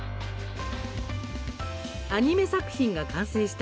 アニメ作品が完成した